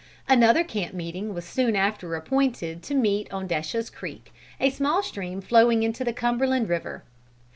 Another camp meeting was soon after appointed to meet on Desha's Creek, a small stream flowing into the Cumberland river.